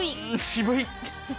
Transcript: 渋い。